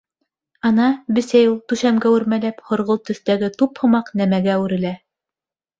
Ана, бесәй, ул, түшәмгә үрмәләп, һорғолт төҫтәге туп һымаҡ нәмәгә үрелә.